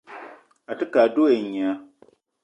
A ke á dula et nya